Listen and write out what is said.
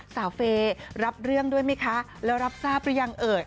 เฟย์รับเรื่องด้วยไหมคะแล้วรับทราบหรือยังเอ่ย